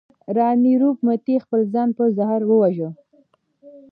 راني روپ متي خپل ځان په زهر وواژه.